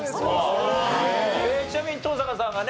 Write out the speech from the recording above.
ちなみに登坂さんがね